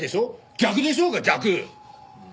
逆でしょうが逆！